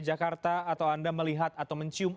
jakarta atau anda melihat atau mencium